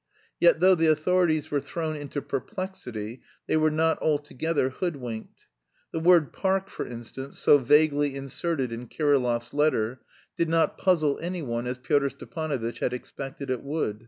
Yet, though the authorities were thrown into perplexity, they were not altogether hoodwinked. The word "park," for instance, so vaguely inserted in Kirillov's letter, did not puzzle anyone as Pyotr Stepanovitch had expected it would.